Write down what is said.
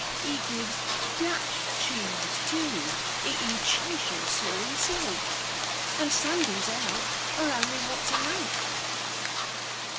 He gives Dutch cheese, too, eating Cheshire, sir, himself; and Sundays out, are only once a month.